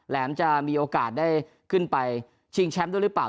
แหมจะมีโอกาสได้ขึ้นไปชิงแชมป์ด้วยหรือเปล่า